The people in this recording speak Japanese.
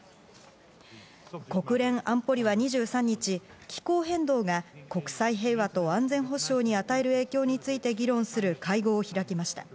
国連安保理は２３日、気候変動が国際平和と安全保障に与える影響について議論する会合を開きました。